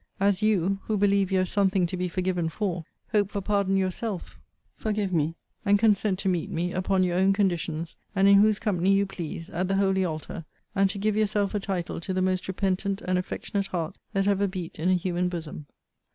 As you, (who believe you have something to be forgiven for,) hope for pardon yourself, forgive me, and consent to meet me, upon your own conditions, and in whose company you please, at the holy altar, and to give yourself a title to the most repentant and affectionate heart that ever beat in a human bosom.